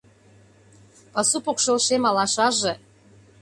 Пасу покшел шем алашаже